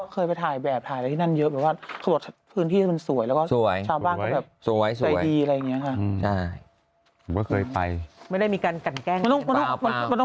เคยไปถ่ายแบบถ่ายแล้วที่นั่นเยอะ